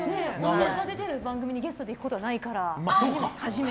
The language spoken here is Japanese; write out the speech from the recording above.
一緒に出てる番組にゲストで行くことはないから。